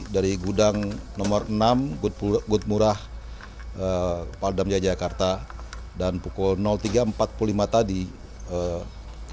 dari gudang nomor enam gudmurah pakudam jaya jakarta dan pukul tiga empat puluh lima tadi